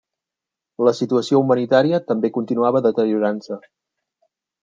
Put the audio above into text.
La situació humanitària també continuava deteriorant-se.